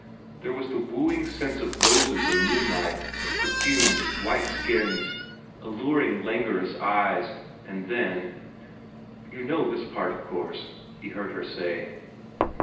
There was the wooing sense of roses and moonlight, of perfumes, white skins, alluring languorous eyes, and then "You know this part, of course," he heard her say.